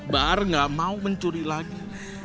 bar gak mau mencuri lagi